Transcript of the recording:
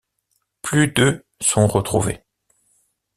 Plus de sont retrouvées.